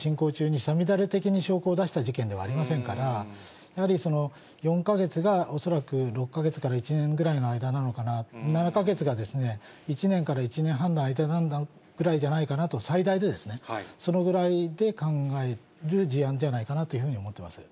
ですので、明覚寺のように、刑事事件の進行中に五月雨的に証拠を出した事件ではありませんから、やはり４か月が、恐らく６か月から１年ぐらいの間なのかな、７か月か１年から１年半の間ぐらいじゃないかなと、最大でですね、そのぐらいで考える事案じゃないかなというふうに思ってます。